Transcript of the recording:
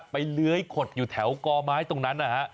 เลื้อยขดอยู่แถวกอไม้ตรงนั้นนะฮะ